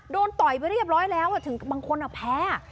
ต่อยไปเรียบร้อยแล้วถึงบางคนแพ้